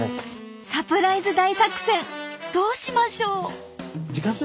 サプライズ大作戦どうしましょう？